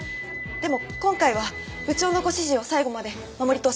でも今回は部長のご指示を最後まで守り通しました。